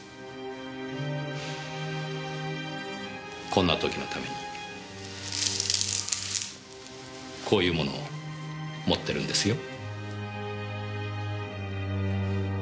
こんな時のためにこういうものを持ってるんですよ。